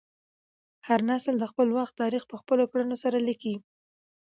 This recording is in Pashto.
هر نسل د خپل وخت تاریخ په خپلو کړنو سره لیکي.